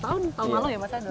tahun lalu ya mas adelantik ya